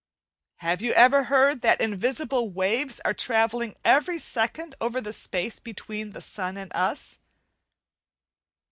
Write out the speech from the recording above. Have you ever heard that invisible waves are travelling every second over the space between the sun and us?